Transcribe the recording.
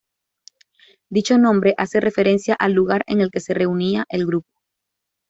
Dicho nombre hace referencia al lugar en el que se reunía el grupo.